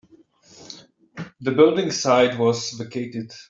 The building site was vacated.